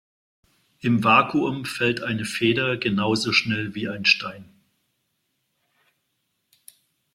Im Vakuum fällt eine Feder genauso schnell wie ein Stein.